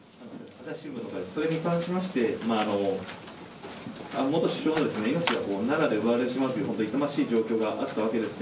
それに関しまして元首相が命を奈良で奪われてしまう痛ましい状況があったわけです。